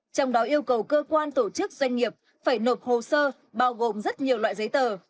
trong đó yêu cầu cơ quan tổ chức doanh nghiệp phải nộp hồ sơ bao gồm rất nhiều loại giấy tờ